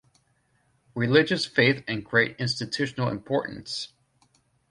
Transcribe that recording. Religious faith had great institutional importance.